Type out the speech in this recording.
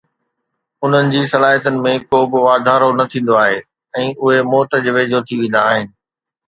انهن جي صلاحيتن ۾ ڪو به واڌارو نه ٿيندو آهي ۽ اهي موت جي ويجهو ٿي ويندا آهن